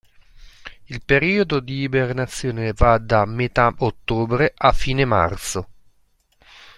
Il periodo di ibernazione va da metà ottobre a fine marzo.